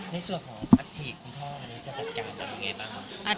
ในส่วนของอัตภิคุณพ่อจะจัดการจัดยังไงบ้าง